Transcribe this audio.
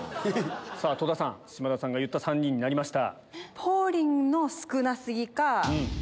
戸田さん島田さんが言った３人になりました。